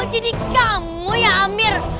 oh jadi kamu ya amir